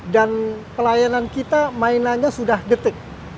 dan pelayanan kita mainannya sudah detik